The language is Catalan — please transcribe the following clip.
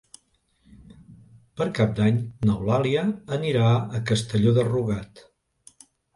Per Cap d'Any n'Eulàlia anirà a Castelló de Rugat.